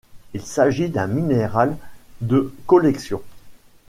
Il s'agit d'un minéral de collection.